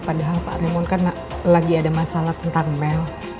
padahal pak remon kan lagi ada masalah tentang mel